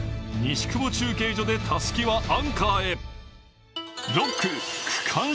西久保中継所でたすきはアンカーへ。